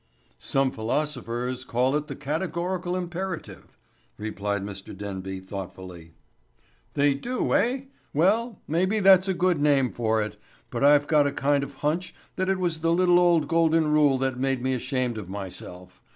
"Some philosophers call it the categorical imperative," replied Mr. Denby, thoughtfully. "They do, eh? Well, maybe that's a good name for it, but I've got a kind of a hunch that it was the little old Golden Rule that made me ashamed of myself.